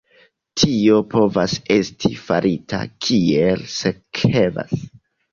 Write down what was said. Tio povas esti farita kiel sekvas.